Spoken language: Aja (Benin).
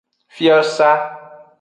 Fiosa.